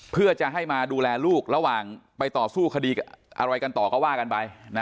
เพื่อจะให้มาดูแลลูกระหว่างไปต่อสู้คดีอะไรกันต่อก็ว่ากันไป